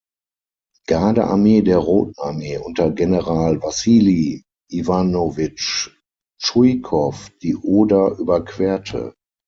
Gardearmee der Roten Armee unter General Wassili Iwanowitsch Tschuikow die Oder überquerte.